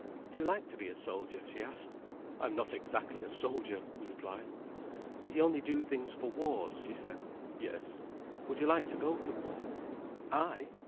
"Do you like to be a soldier?" she asked. "I am not exactly a soldier," he replied. "But you only do things for wars," she said. "Yes." "Would you like to go to war?" "I?